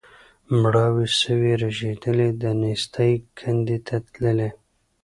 مړاوي سوي رژېدلي د نېستۍ کندي ته تللي